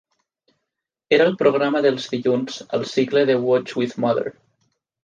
Era el programa dels dilluns al cicle de "Watch with Mother".